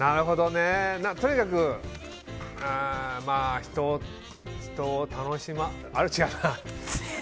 とにかく人を楽しま違うな。